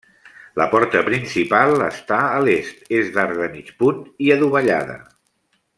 La porta principal està a l'est, és d'arc de mig punt i adovellada.